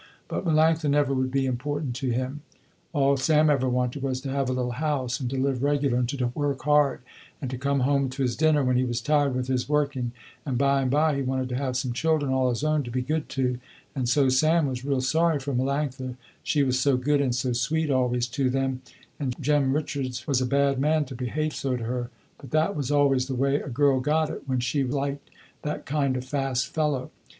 But Melanctha never would be important to him. All Sam ever wanted was to have a little house and to live regular and to work hard and to come home to his dinner, when he was tired with his working and by and by he wanted to have some children all his own to be good to, and so Sam was real sorry for Melanctha, she was so good and so sweet always to them, and Jem Richards was a bad man to behave so to her, but that was always the way a girl got it when she liked that kind of fast fellow.